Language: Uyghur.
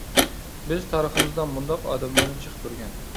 بىز تارىخىمىزدا مۇنداق ئادەملەرنى جىق كۆرگەن.